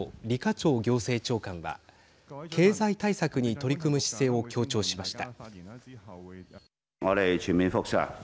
超行政長官は経済対策に取り組む姿勢を強調しました。